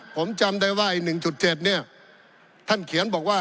ผมจำได้ว่าไอ้๑๗เนี่ยท่านเขียนบอกว่า